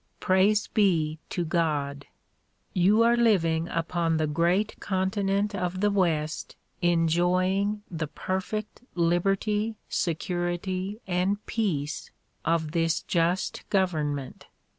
Praise be to God ! you are living upon the great continent of the west en.joying the perfect liberty, security and peace of this just government.